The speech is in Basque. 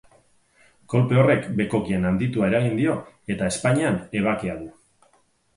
Kolpe horrek bekokian handitua eragin dio eta ezpainean ebakia du.